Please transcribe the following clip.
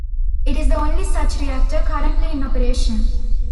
It is the only such reactor currently in operation.